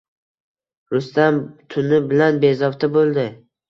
Rustam tuni bilan bezovta bo`ldi